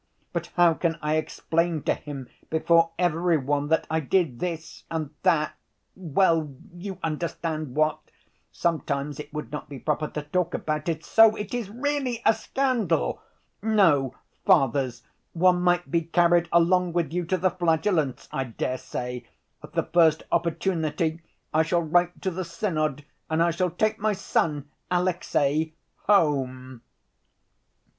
But how can I explain to him before every one that I did this and that ... well, you understand what—sometimes it would not be proper to talk about it—so it is really a scandal! No, Fathers, one might be carried along with you to the Flagellants, I dare say ... at the first opportunity I shall write to the Synod, and I shall take my son, Alexey, home."